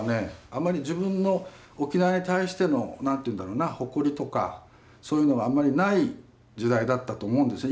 あんまり自分の沖縄に対しての誇りとかそういうのがあんまりない時代だったと思うんですね